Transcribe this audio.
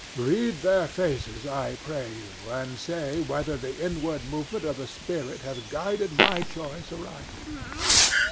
Read their faces, I pray you, and say whether the inward movement of the spirit hath guided my choice aright."